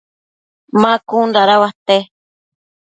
ma cun dada uate ?